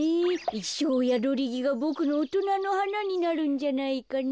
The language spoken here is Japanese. イッショーヤドリギがボクのおとなのはなになるんじゃないかな。